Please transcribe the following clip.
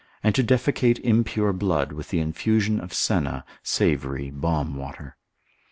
and to defecate impure blood with the infusion of senna, savory, balm water.